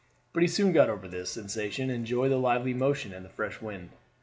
But he soon got over this sensation, and enjoyed the lively motion and the fresh wind.